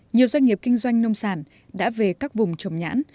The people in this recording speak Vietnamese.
nhiều doanh nghiệp kinh doanh nông sản đã về các vùng trồng nhãn